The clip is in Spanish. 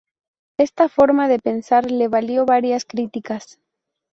Esta forma de pensar le valió varias críticas.